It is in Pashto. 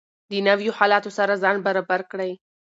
د نویو حالاتو سره ځان برابر کړئ.